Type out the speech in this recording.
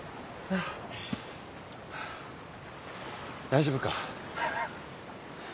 大丈夫か？